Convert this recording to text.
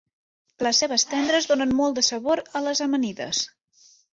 Les cebes tendres donen molt de sabor a les amanides.